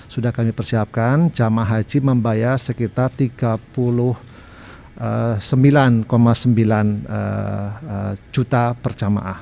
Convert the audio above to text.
sudah kami persiapkan jemaah haji membayar sekitar rp tiga puluh sembilan sembilan juta per jemaah